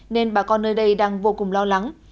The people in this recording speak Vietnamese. nên bà con nơi đây đang vô cùng lo lắng